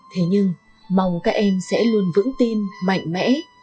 thế nhưng mong các em sẽ luôn vững tin mạnh mẽ